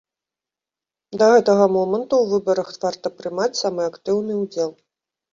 Да гэтага моманту ў выбарах варта прымаць самы актыўны ўдзел.